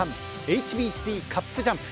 ＨＢＣカップジャンプ。